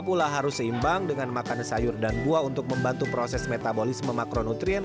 pula harus seimbang dengan makan sayur dan buah untuk membantu proses metabolisme makronutrien